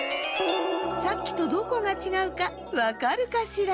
さっきとどこがちがうかわかるかしら？